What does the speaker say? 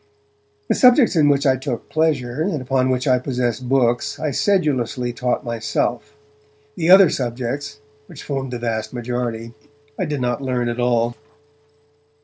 The subjects in which I took pleasure, and upon which I possessed books, I sedulously taught myself; the other subjects, which formed the vast majority, I did not learn at all.